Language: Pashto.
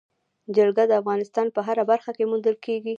جلګه د افغانستان په هره برخه کې موندل کېږي.